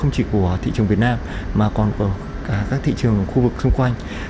chỉ của thị trường việt nam mà còn cả các thị trường khu vực xung quanh